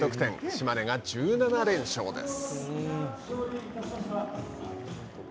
島根が１７連勝です。